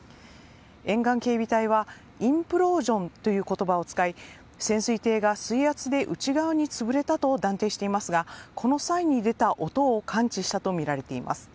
沿岸警備隊はインプロージョンという言葉を使い潜水艇が、水圧で内側に潰れたと断定していますがこの際に出た音を感知したとみられています。